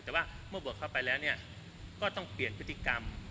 แต่ว่าเมื่อบวกเข้าไปแล้วก็ต้องเปลี่ยนพฤติกรรม